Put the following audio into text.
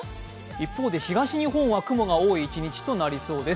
一方で東日本は雲が多い一日となりそうです。